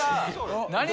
何？